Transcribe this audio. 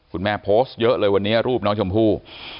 คุณแม่โพสต์เยอะเลยวันนี้รูปน้องชมผู้